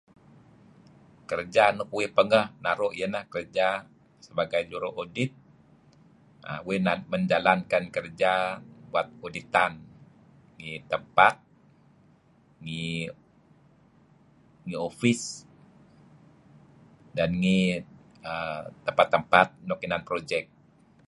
Kerja nuk uih pangeh naru iyeh ineh naru' kerja sebagai Juru Odit uih manjalankan kerja buat Oditan ngi tempat, ngi opis, dan ngi uhm tempat-tempat nuk inan project.